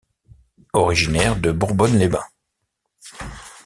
Originaire de Bourbonne-les-Bains.